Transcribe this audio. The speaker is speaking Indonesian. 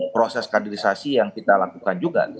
proses kaderisasi yang kita lakukan juga